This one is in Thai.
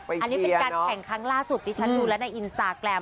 อันนี้เป็นการแข่งครั้งล่าสุดที่ฉันดูแล้วในอินสตาแกรม